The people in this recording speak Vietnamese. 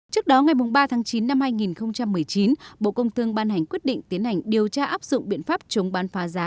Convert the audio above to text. trước đó ngày ba tháng chín năm hai nghìn một mươi chín bộ công thương ban hành quyết định tiến hành điều tra áp dụng biện pháp chống bán phá giá